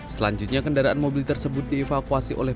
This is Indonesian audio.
selanjutnya kendaraan mobil tersebut dievakuasi oleh